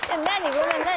ごめん何？